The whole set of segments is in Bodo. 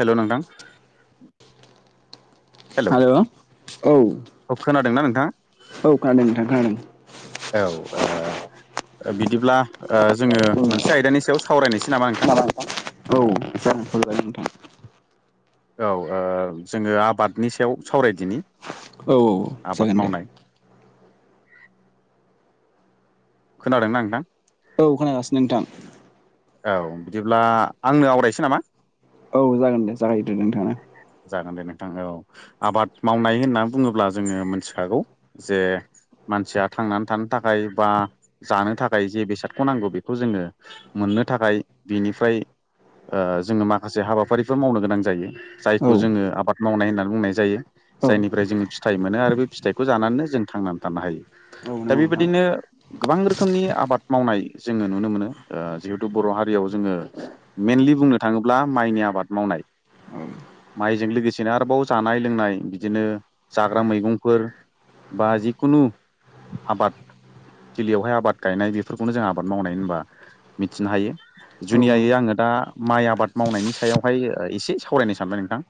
हेल' नोंथां हेल' हेलौ औ औ खोनादोंना नोंथाङा खोनादों नोंथां खोनादों औ ओ बिदिब्ला ओ जोङो मोनसे आयदानि सायाव सावरायनोसै नामा नोंथां माबा औ नोंथां औ ओ जोङो आबादनि सायाव सावरायदिनि औ आबाद जागोन दे मावनाय [inaudible] खोनादोंना नोंथां औ खोनागासिनो नोंथां औ बिदिब्ला आंनो आवरायनोसै नामा औ जागोन दे जागायदो नोंथांङा । जागोन दे औ आबाद मावनाय होनना बुङोब्ला जोङो मोनथिखागौ जे मानसिया थांनानै थानो थाखाय बा जानो थाखाय जे बेसादखौ नांगौ बेखौ जोङो मोननो थाखाय बिनिफ्राय ओ जोङो माखासे हाबाफारिफोर मावनो गोनां जायो औ जायखौ जोङो आबाद मावनाय होननानै बुंनाय जायो । औ जायनिफ्राय जोङो फिथाइ मोनो आरो बे फिथाइखौ जानानैनो जों थांनानै थानो हायो दा नंगौ नोंथां बेबायदिनो गोबां रोखोमनि आबाद मावनाय जोङो नुनो मोनो । ओ जिहेथु बर' हारियाव जोङो मेइनलि बुंनो थाङोब्ला माइनि आबाद मावनाय औ माइजों लोगोसेनो आरोबाव जानाय लोंनाय बिदिनो जाग्रा मैगंफोर बा जिखुनु आबाद थिलियावहाय आबाद गायनाय बेफोरखौनो जों आबाद मावनाय होनबा मिथिनो हायो औ जुनियायै आङो दा माइ आबाद मावनायनि सायावहाय एसे सावरायनो सानबाय नोंथां ।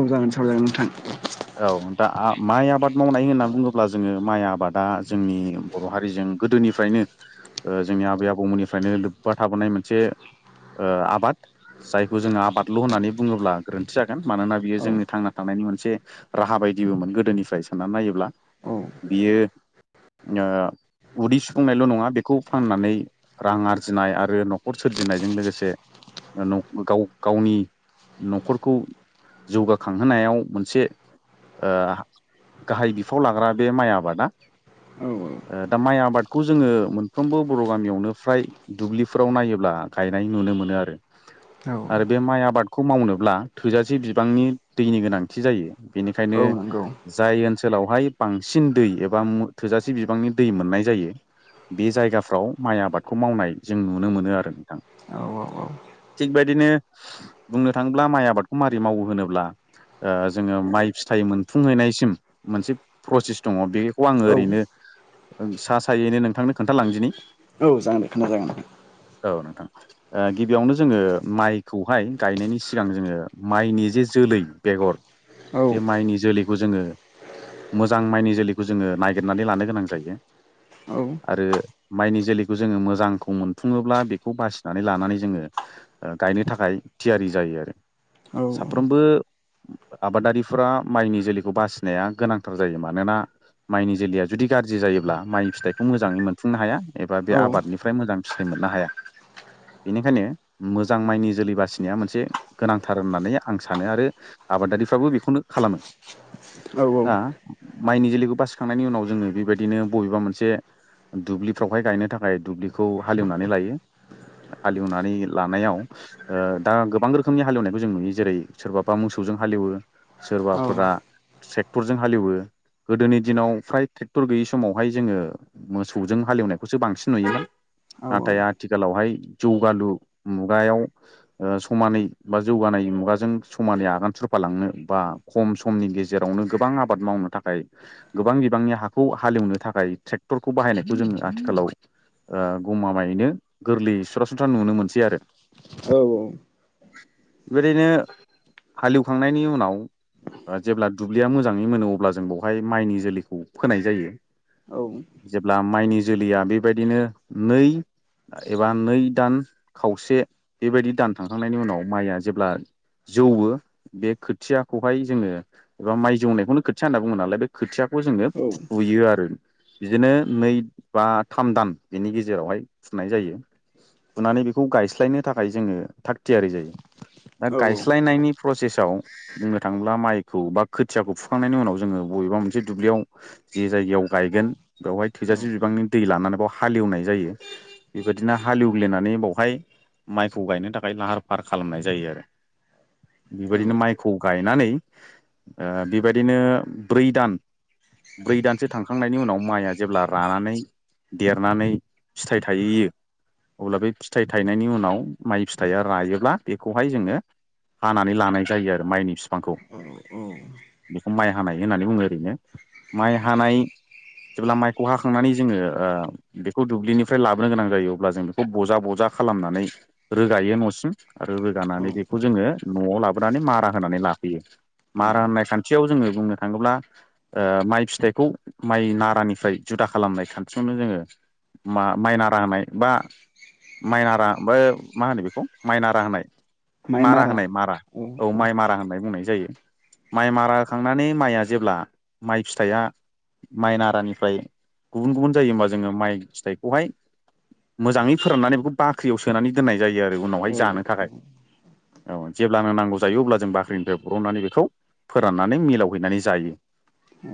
औ जागोन सावजागोन नोंथां । औ दा माइ आबाद मावनाय होनना बुङोब्ला जोङो माइ आबादा जोंनि बर' हारिजों गोदोनिफ्रायनो जोंनि आबै आबौमोननिफ्रायनो लोब्बा थाबोनाय मोनसे ओ आबाद जायखौ जोङो आबादल' होननानै बुङोब्ला गोरोन्थि जागोन मानोना बियो औ जोंनि थांना थानाय मोनसे राहा बायदिमोन गोदोनिफ्राय साननानै नायोब्ला औ बियो उदै सुफुंनायल' नङा बेखौ फाननानै रां आरजिनाय आरो न'खर सोरजिनायजों लोगोसे गाव गावनि न'खरखौ जौगाखांहोनायाव मोनसे ओ गाहाय बिफाव लाग्रा बे माइ आबादा औ दा माइ आबादखौ जोङो मोनफ्रोमबो बर' गामियावनो फ्राय दुब्लिफोराव नायोब्ला गायनाय नुनो मोनो आरो औ आरो बे माइ आबादखौ मावनोब्ला थोजासे बिबांनि दैनि गोनांथि जायो । औ बेनिखायनो नंगौ जाय ओनसोल ओनसोलावहाय बांसिन दै एबा थोजासे बिबांनि दै मोननाय जायो बे जायगाफ्राव माइ आबादखौ मावनाय जों नुनो मोनो आरो नोंथां । औ औ थिगबायदिनो बुंनो थाङोब्ला माइ आबादखौ माबै मावो होनोब्ला जोङो माइ फिथाइ मोनफुंहैनायसिम मोनसे प्रसेस दङ' बे खौ आङो औ ओरैनो सा सायैनो नोंथांनो खोन्थालांदिनि औ जागोननाय खोनाजागोन औ नोंथां गिबियावनो जोङो माइखौहाय गायनायनि सिगां जोङो माइनि जे जोल लै बेगर औ बे माइनि जोलैखौ जोङो मोजां माइनि जोलैखौ जोङो नागिरनानै लानो गोनां जायो । औ आरो माइनि जोलै बे जोङो मोजांखौ मोनफुङोब्ला बेखौ बासिनानै लानानै जोङो गायनो थाखाय थियारि जायो । दे आरो औ साफ्रोमबो आबादारिफोरा माइनि जोलैखौ बासिनाया गोनांथार जायो मानोना माइनि जोलैया जुदि गाज्रि जायोब्ला माइनि फिथाइखौ मोजाङै मोनफुंनो हाया ए बे औ आबादनिफ्राय मोजां फिथाइ मोननो हाया । बेनिखायनो मोजां माइनि जोलै बासिनाया मोनसे गोनांथार होननानै आं सानो आरो आबादारिफ्राबो बेखौनो खालामो । दा माइनि जोलैखौ बासिखांनायनि उनाव जोङो बेबायदिनो बबेबा मोनसे दुब्लिफ्राव बेहाय गायनो थाखाय दुब्लिखौ हालेवनानै लायो । हालेवनानै लानायाव दा गोबां रोखोमनि हालेवनायखौ जों नुयो जेरै सोरबााबा मोसौ जों हालौयो सोरबाफोरा ट्रेक्टरजों हालौयो गोदोनि दिनाव फ्राय ट्रेक्टर गैयि समावहाय जोङो मोसौजों हालेवनाय बे खौसो बांसिन नुयोमोन नाथाय आथिखालावहाय जौगालु मुगायाव समानै बा जौगानाय मुगाजों समानै आगान सुरफालांनो बा खम समनि गेजेरावनो गोबां आबाद मावनो थाखाय गोबां बिबांनि हाखौ हालेवनो थाखाय ट्रेक्टरखौ बाहायनायखौ जों आथिखालाव ओ गमामायैनो गोरलै सरासनस्रा नुनो मोनसै आरो। औ औ। बेबायदिनो हालेवखांनायनि उनाव ओ जेब्ला दुब्लिया मोजाङै मोनो अब्ला जों बेवहाय माइनि जोलैखौ फोनाय जायो। जेब्ला माइनि जोलैया बेबायदिनो नै एबा नै दान खावसे बेबायदि दान थांखांनायनि उनाव माइया जेब्ला जौवो बे खोथियाखौहाय जोङो एबा माइ जौनायखौनो खोथिया होनना बुङो नालाय बे खोथिया खौ जोङो बुयो आरो बिदिनो नै बा थाम दान बेनि गेजेरावहाय फुनाय जायो। फुनानै बेखौ गायस्लायनो थाखाय जोङो थाग थियारि जायो दा गायस्लायनायनि प्रसेस याव बुंनो थाङोब्ला मायखौ बा खोथियाखौ फुखांनायनि उनाव जोंनो बबेबा मोनसे दुब्लिआव जि जा जायगायाव गायगोन बेवहाय थोजासे बिबांनि दै लानानै बेयाव हालेवनाय जायो बेबायदिनो हालेवग्लिनानै बावहाय माइखौ गायनो थाखाय लाहार फाहार खालामनाय जायो आरो। बेबायदिनो माइखौ गायनानै ओ बेबायदिनो ब्रै दान ब्रै दानसो थांखांनायनि उनाव माइआ जेब्ला रानानै देरनानै फिथाइ थाहैयो अब्ला बे फिथाइ थायनायनि उनाव माइ फिथाइया रायोब्ला बेखौहाय जोङो हानानै लानाय जायो आरो माइनि बिफांखौ। औ औ बेखौ माइ हानाय होननानै बुङो ओरैनो। औ माइ हानाय जेब्ला माइखौ हाखांनानै जोङो ओ बेखौ दुब्लिनिफ्राय लाबोनो गोनां जायो। अब्ला जों बेखौ बजा बजा खालामनानै रोगायो न'सिम सिम आरो औ रोगानानै बेखौ जोङो न'आव लाबोनानै मारा होनानै लाफैयो। औ मारा होननाय खान्थियाव जोङो बुंनो थाङोब्ला ओ माइ फिथाइखौ माइ नारानिफ्राय जु दा खालामनाय खान्थियावनो जोङो माय माइनारा होनाय बा माइनारा बो मा होनो बेखौ माइनारा होनाय मारा होनाय मारा औ माइ मारा होननाय बुंनाय जायो। माइ मारा होखांनानै माइआ जेब्ला माइ फिथाइया माइ नारानिफ्राय गुबुन गुबुन जायो होमबा जोङो माइ फिथाइखौहाय मोजाङै फोराननानै बेखौ बाख्रियाव सोनानै दोननाय जायो आरो औ उनावहाय जानो थाखाय। औ जेब्ला नों नांगौ जायो अब्ला जों बाख्रिनिफ्राय बरननानै बेखौ फोराननानै मिलाव हैैनानै जायो। औ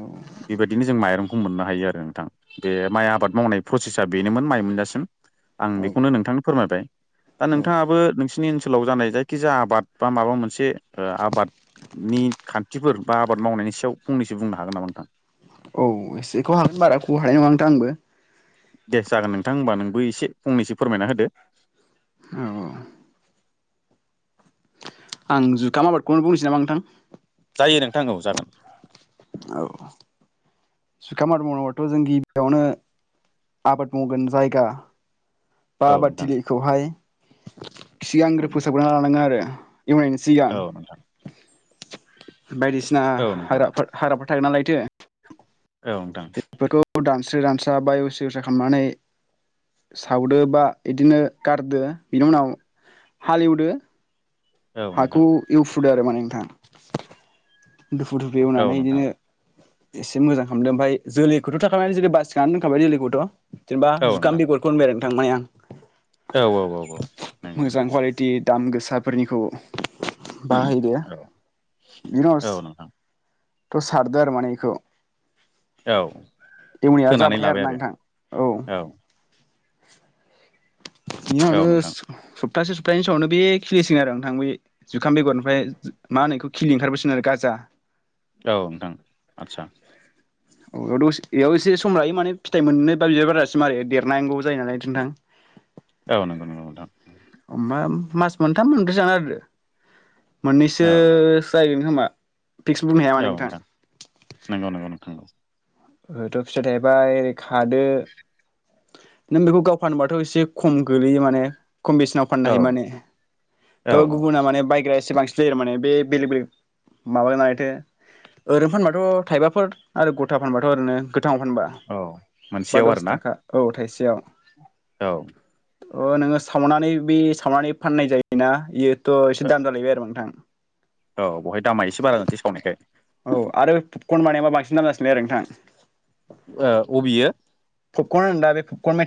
बेबायदिनो जों माइरंखौ मोननो हायो आरो नोंथां। बे माइ आबाद मावनाय प्रसेसा बेनोमोन माइ मोनजासिम आं बेखौनो नोंथांनो फोरमायबाय। दा औ नोंथाङाबो नोंसिनि ओनसोलाव जानाय जायखिजाया आबाद बा माबा मोनसे ओ आबाद नि खान्थिफोर बा आबाद मावनायनि सायाव फंनैसो बुंनो हागोन नामा नोंथां? औ एसेखौ हागोन बाराखौ हानाय ओनथां आंबो। दे जागोन नोंथां होमबा नोंबो एसे फंनैसो फोरमायना होदो। [inaudible] औ औ आं जुखाम आबादखौनो बुंनोसै नामा नोंथां? जायो नोंथां औ जागोन। औ। जुखाम आबाद मावनांगौबाथ' जों गिबियावनो आबाद मावगोन जायगा बा औ नोंथां आबादथिलिखौहाय सिगांग्रो फोसाबग्रोना लानांगोन आरो एवनायनि सिगां। औ नोंथां बायदिसिना औ नोंथां हाग्राफोर हाग्राफोर थागोन नालायथो। औ नोंथां। औ दानस्रि दानस्रा बाय सिकिसा खालामनानै सावदो बा इदिनो गारदो बिनि उनाव हालेवदो औ हाखौ नोंथां इउ फुदों मानि आरो नोंथां दुफु दुफु औ एवनानै नोंथां इदिनो एसे मोजां खामदों ओमफाय जोलैखौथ' थाखानानै जुदि बासिखनानै दोनखाबाय जोलैखौथ'। जेनोबा औ नोंथां जुखाम बेगरखौ होनबाय आरो नोंथां मानि आं औ औ औ नंगौ मोजां नोंथां कुवालिटि दाम गोसा औ बाहैदो औ नोंथां [inaudible] सारदो आरो माने बेखौ औ ऐवनाया फोनानै जाबाथाइ आरो लाबाय ना नोंथां औ बिनि औ उनावनो नोंथां सबथासे सबथानै सामावनो बे खिलिसिगोन आरो नोंथां बै जुखाम बेगरनिफ्राय मा होनो बेखौ खिलि ओंखारबोसिगोन आरो गाजा। [inaudible] औ नोंथां आतचा औ बेयाव एसे सम लायो मानि फिथाइ मोननो बा बिबार बारानायसिम आरो देरनांगौ जायो नालाय नोंथां [inaudible] औ नोंगौ नोंगौ नोंथां उम मास मोनथाम मोनब्रैसो जानो आरो मोननैसो औ जायो फिक्स बुंनो हाया माने नोंथां। नंगौ नंगौ नोंथां ओ थ' फिथाय थायबाइ खादो नों बेखौ गाव फानोबाथ' एसे खम गोलैयो माने कमबेसेनाव फाननो औ हायो माने औ थ' गुबुना माने बायग्रा एसे बांसिन जायो माने बे बेलेग बेलेग माबा माथो [unintelligible] ओरैनो फानबाथ' थाइबाफोर आरो गथाफोर फानबाथ' ओरैनो गोथांआव फानबा औ बा मोनसेयाव आरो दस ना थाखा ओ थाइसेयाव औ ओ नोङो सावनानै बि बे सावनानै फाननाय जायोना बेयोथ एसे दाम जालायबाय आरो नोंथां औ बहाय दामा एसे बारा जानोसै सावनायखाय औ आरो फुबकन बानायबा बांसिन दाम जासिनबाय आरो नोंथां। ओ अबेयो फुबकन होनो दा बे फुबकन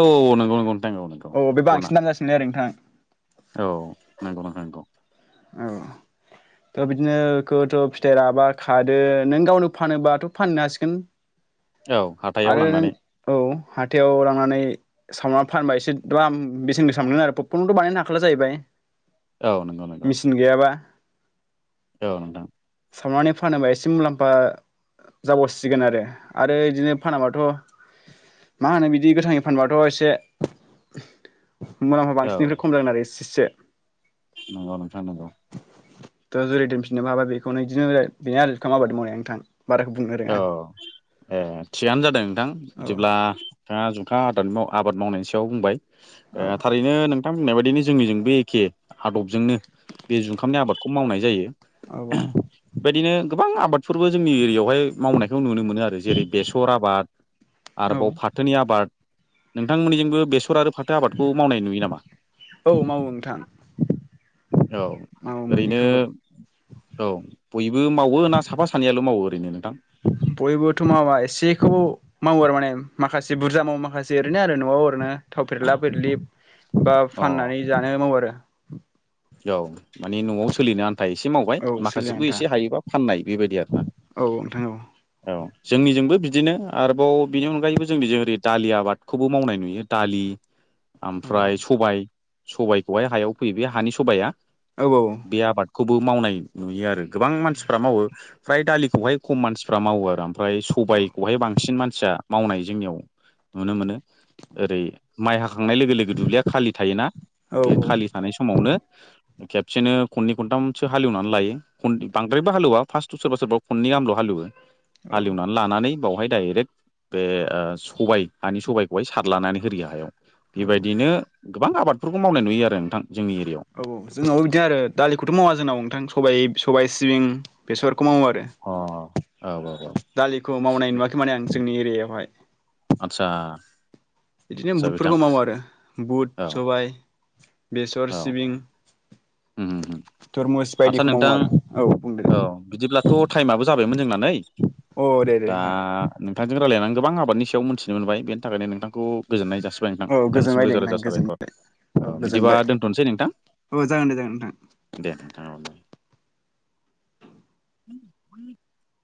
ओ औ नंगौ नंगौ नोंथां औ नंगौ बे फुबकना बांसिन दाम जासिनो आरो नोंथां औ नोंगौ नोंगौ औ थ बिदिनो खौथ फिथाइ राबा खादो नों गावनो फानोबाथ फाननो हासिगोन औ हाथायाव आरो नों लांनानै औ हाथायाव लांनानै सावनानै फानबा एसे दालाम बेसेन गोसा मोनो आरो पुबकनखोथ बानायनो हाखाला जाहैबाय औ नंगौ नंगौ मिचिन गैयाबा औ नोंथां सावनानै फानोबा एसे मुलाम्फा जाबावसिगोन आरो आरो इदिनो फानाबाथ मा होनो बिदि गोथां फानबाथ एसे मुलामफा औ बांसिननिफ्राय खम लाागोन आरो एसेसो नंगौ नोंथां नंगौ दा जेरै दोनफिननोबो हाबाय बेखौनो इदिनो बेनो आरो जुखाम आबाद मावनायआ नोंथां बाराखौ बुंनो औ रोङा आं ए थिगानो जादों नोंथां औ बिदिब्ला नोंथांआ जु नोंथाङा आबाद मावनायनि सायाव बुंबाय औ थारैनो नों नोंथाङा बुंनाय बायदिनो जोंनिजों बे एखे आदबजोंनो बे जुखामनि आबादखौ मावनाय जायो। औ बेबायदिनो गोबां आबादफोरबो जोंनि एरियाआवहाय मावनायखौ नुनो मोनो आरो जेरै बेसर आबाद आरबाव औ फाथोनि आबाद नोंथां मोनिजोंबो बेसर आरो फाथो आबादखौ मावनाय नुयो नामा? औ मावो नोंथां औ मावो ओरैनो मोननैखौबो औ बयबो मावो ना साफा सानैयाल मावो ओरैनो नोंथां? बयबोथ' मावा एसेखौ मावो आरो माने माखासे बुरजा मावो माखासे ओरैनो आरो न'आव ओरैनो। थाव फेरला फेरलि बा अ फाननानै जानो मावो आरो। औ माने न'आव सोलिनो आन हाथाय एसे मावबाय आरो औ सोलिनो माखासेबो आन्था एसे हायोबा फाननाय बेबायदि आरो ना औ नोंथां औ औ। जोंनिजोंबो बिदिनो आरोबाव बिनि अनगायैबो जोंनिजों ओरै दालि आबादखौबो मावनाय नुयो दालि। ओमफ्राय औ सबायइ सबायाइखौहाय हायाव फैयो बे हानि सबाइआ औ बे आबाद खौबो मावनाय नुयो आरो गोबां मानसिफोरा मावो फ्राय दालिखौहाय खम मानसिफोरा मावो आरो। ओमफ्राय सबायखौहाय बांसिन मान फिसा मावनाय जोंनियाव नुनो मोनो ओरै माइ हा बोखांनाय लोगो लोगो दुब्लिया खालि थायोना बे खालि औ थानाय समावनो खेबसेनो खनै खनथामसो हालेवनानै लायो [unintelligible] बांद्रायबो हालोवा फार्स्ट सोरबा सोरबा खनै गामल' हा हालेवो औ हालेवनानै लानानै बावहाय डाइरेक्ट बे ओ सबाय हानि सबाइखौहाय सारलानानै होरियो हायाव। औ बेबायदिनो गोबां आबादफोरखौ मावनाय नुयो आरो नोंथां जोंनि एरियायाव। औ औ जोंनावबो बिदिनो आरो दालिखौथ' मावा जोंनाव नोंथां सबाय सबाय सिबिं बेसर खौ मावो आरो। अ औ औ औ दालिखौ मावनाय नुवाखै माने आं जोंनि एरियायावहाय। आच्छा। बिदिनो बुटफोरखौ मावो आरो औ बुट सबाइ। बेसर औ सिबिं। उम उम उम तरमुस आदसा बायदिखौ मावो नोंथां आरो औ बुंदो। थाइमआबो जाबायमोन जोंना नै अ दे दे दा नोंथां नोंथांजों रायलायनानै गोबां आबा आबादनि सायाव मोनन्थिनो मोनबाय बेनि थाखायनो नोंथांखौ गोजोननाय जासि [unintelligible] नोंथां औ नोंथांनिसिम गोजोनबाय दे रोजा नोंथां रोजा गोजोन साबायखर औ ओ बिदिबा गोजोनबाय दोन दोनथनोसै नोंथां औ जागोन दे जागोन नोंथां दे नोंथां [unintelligible] [unintelligible]